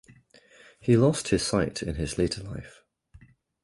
He lost his sight in his later life.